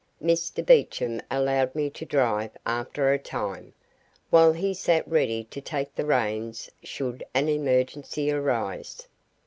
Mr Beecham allowed me to drive after a time while he sat ready to take the reins should an emergency arise.